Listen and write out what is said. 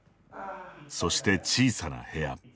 そして小さな部屋。